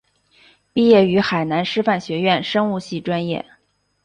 毕业于海南师范学院生物系专业。